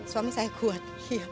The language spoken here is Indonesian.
suami saya kuat